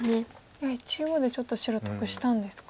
やはり中央でちょっと白得したんですか？